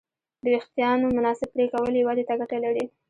د وېښتیانو مناسب پرېکول یې ودې ته ګټه لري.